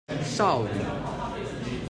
邵語